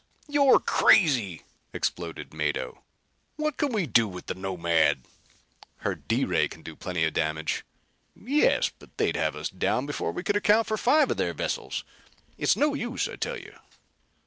"You're crazy!" exploded Mado. "What can we do with the Nomad?" "Her D ray can do plenty of damage." "Yes, but they'd have us down before we could account for five of their vessels. It's no use, I tell you."